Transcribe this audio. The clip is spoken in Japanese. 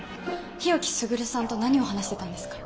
日置優さんと何を話してたんですか？